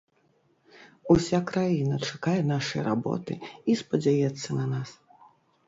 Уся краіна чакае нашай работы і спадзяецца на нас.